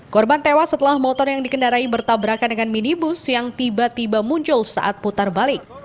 korban tewas setelah motor yang dikendarai bertabrakan dengan minibus yang tiba tiba muncul saat putar balik